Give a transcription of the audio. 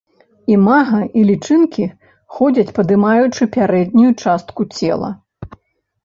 Імага і лічынкі ходзяць, падымаючы пярэднюю частку цела.